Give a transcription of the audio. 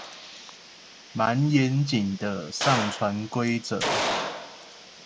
滿嚴謹的上傳規則